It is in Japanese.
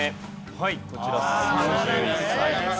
はいこちら３１歳です。